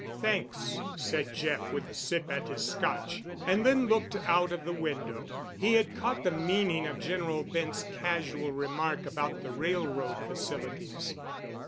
"Thanks," said Jeff, with a sip at his Scotch, and then looked out of the window. He had caught the meaning of General Bent's casual remark about the railroad facilities.